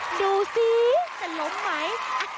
ดูสิจะล้มไหม